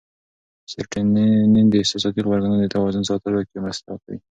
سېرټونین د احساساتي غبرګونونو د توازن ساتلو کې مرسته کوي.